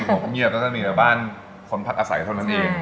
สงบเงียบก็จะมีแต่บ้านคนพักอาศัยเท่านั้นเอง